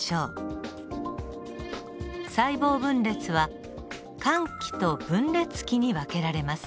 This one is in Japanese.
細胞分裂は間期と分裂期に分けられます。